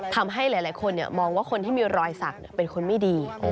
ทำให้หลายคนมองว่าคนที่มีรอยสักเป็นคนไม่ดี